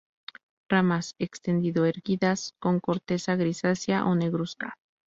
Ramas extendido-erguidas, con corteza grisácea o negruzca.